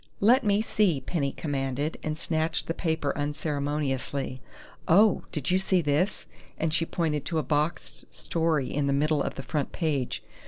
"Let me see!" Penny commanded, and snatched the paper unceremoniously. "Oh! Did you see this?" and she pointed to a boxed story in the middle of the front page.